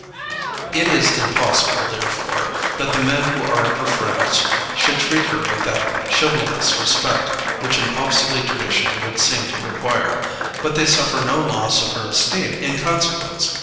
It is impossible, therefore, that the men who are her friends should treat her with that chivalrous respect which an obsolete tradition would seem to require, but they suffer no loss of her esteem in consequence.